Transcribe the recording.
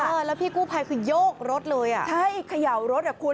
เออแล้วพี่กู้ภัยคือโยกรถเลยอ่ะใช่เขย่ารถอ่ะคุณ